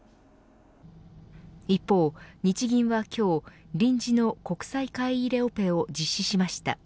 一方、日銀は今日臨時の国債買い入れオペを実施しました。